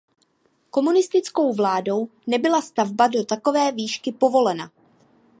Komunistickou vládou nebyla stavba do takové výšky povolena.